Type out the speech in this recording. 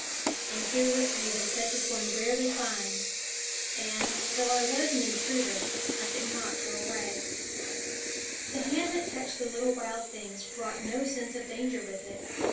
And here was beauty such as one 30 What Jfie Fawns Know ^ SCHOOL OF rarely finds, and, though I was an intruder, I could not go away. The hand that touched the little wild things brought no sense of danger with it.